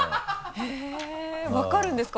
へぇ分かるんですか？